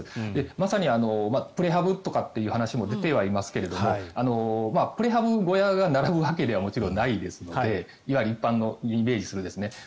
まさにプレハブとかっていう話も出てはいますがプレハブ小屋が並ぶわけではないので一般のイメージする。